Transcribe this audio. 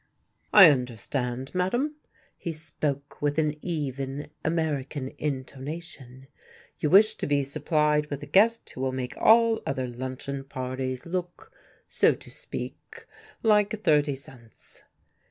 "I understand, madam," he spoke with an even American intonation, "you wish to be supplied with a guest who will make all other luncheon parties look, so to speak, like thirty cents."